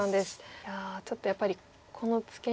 いやちょっとやっぱりこのツケに対しては。